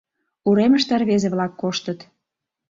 Уремыште рвезе-влак коштыт.